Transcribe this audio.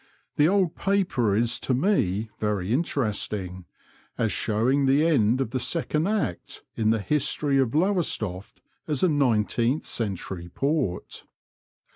The old paper is to me very interesting, as showing the end of the second act in the history of Lowestoft as a Nineteenth Century port.